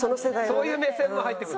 そういう目線も入ってくるの？